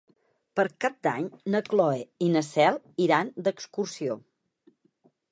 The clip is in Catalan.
Per Cap d'Any na Cloè i na Cel iran d'excursió.